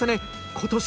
今年